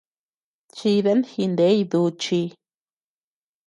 Diyan jiney duchii.